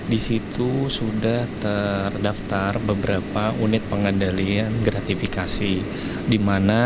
di situ sudah terdaftar beberapa unit pengendalian gratifikasi